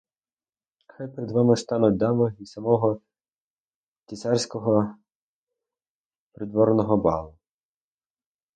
Хай перед вами стануть дами із самого цісарського придворного балу!